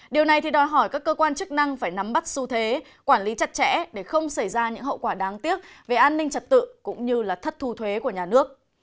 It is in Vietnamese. điều này đòi hỏi các cơ quan chức năng phải nắm bắt su thế quản lý chặt chẽ để không xảy ra những hậu quả đáng tiếc về an ninh trật tự cũng như thất thu thuế của nhà nước